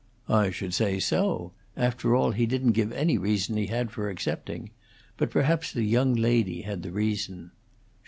"I should say so. After all, he didn't give any reason he had for accepting. But perhaps the young lady had the reason."